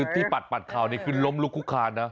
ที่ปัดภาพนี้คือล้มลุกคุกคาญนะ